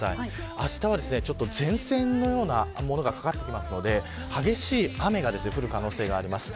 あしたは前線のようなものがかかってくるので激しい雨が降る可能性があります。